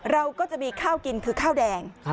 เราก็จะมีข้าวกินคือข้าวแดง